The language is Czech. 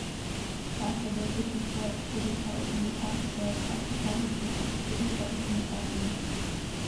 Následuje po čísle čtyři sta osmdesát pět a předchází číslu čtyři sta osmdesát sedm.